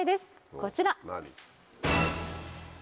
こちら。